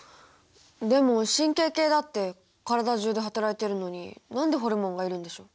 でも神経系だって体中ではたらいてるのに何でホルモンが要るんでしょう？